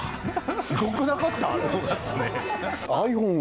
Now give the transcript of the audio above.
すごくなかった？